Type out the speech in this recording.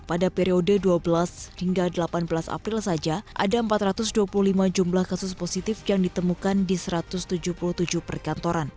pada periode dua belas hingga delapan belas april saja ada empat ratus dua puluh lima jumlah kasus positif yang ditemukan di satu ratus tujuh puluh tujuh perkantoran